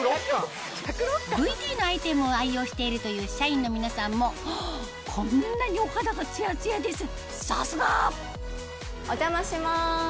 ＶＴのアイテムを愛用しているという社員の皆さんもこんなにお肌がツヤツヤですさすが！お邪魔します。